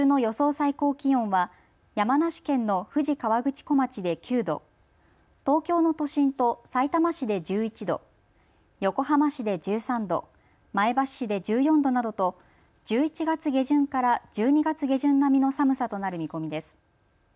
最高気温は山梨県の富士河口湖町で９度、東京の都心とさいたま市で１１度、横浜市で１３度、前橋市で１４度などと１１月下旬から１２月下旬並みの寒さとなる見込みです。